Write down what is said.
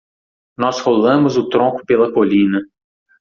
Nós rolamos o tronco pela colina.